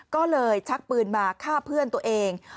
ก็เลยชักปืนมาฆ่าเพื่อนตัวเอง